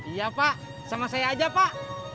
iya pak sama saya aja pak